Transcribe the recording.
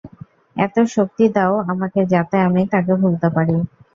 এতো শক্তি দাও আমাকে যাতে আমি তাকে ভুলতে পারি।